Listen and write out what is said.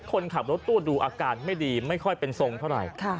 คนขับรถตู้ดูอาการไม่ดีไม่ค่อยเป็นทรงเท่าไหร่